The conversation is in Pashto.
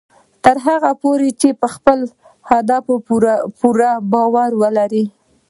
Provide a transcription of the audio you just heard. تر هغه پورې چې په خپل هدف پوره باور لرئ